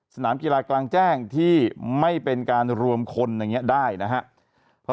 สนามกีฬากลางแจ้งที่ไม่เป็นการรวมคนอย่างนี้ได้นะครับ